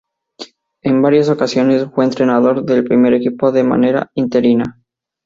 En varias ocasiones fue entrenador del primer equipo de manera interina.